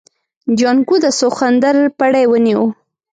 جانکو د سخوندر پړی ونيو.